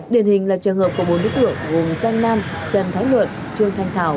điển hình là trường hợp của bốn đối tượng gồm giang nam trần thái luật trương thanh thảo